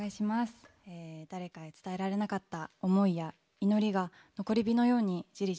誰かに伝えられなかった思いや祈りが残り火のようにじりじりと燃えるような歌です。